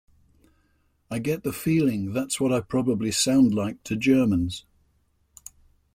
I get the feeling that's what I probably sound like to Germans.